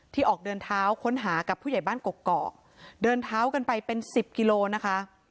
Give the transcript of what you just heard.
ออกเดินเท้าค้นหากับผู้ใหญ่บ้านกกอกเดินเท้ากันไปเป็นสิบกิโลนะคะ